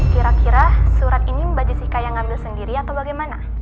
kira kira surat ini mbak jessica yang ambil sendiri atau bagaimana